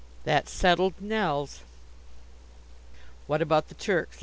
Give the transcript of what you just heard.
That settled Nelles. "What about the Turks?"